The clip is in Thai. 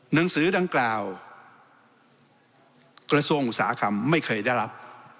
หนังสือดังกล่าวกระทรวงอุตสาหกรรมไม่เคยได้รับ